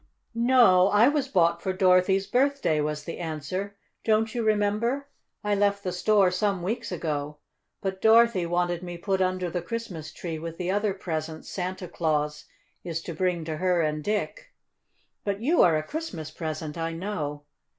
"No, I was bought for Dorothy's birthday," was the answer. "Don't you remember? I left the store some weeks ago. But Dorothy wanted me put under the Christmas tree with the other presents Santa Claus is to bring to her and Dick. But you are a Christmas present, I know."